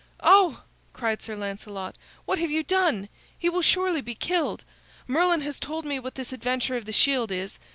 "Oh!" cried Sir Lancelot, "what have you done! He will surely be killed. Merlin has told me what this adventure of the shield is.